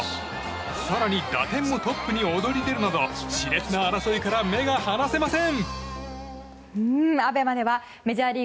更に打点もトップに躍り出るなどし烈な争いから目が離せません。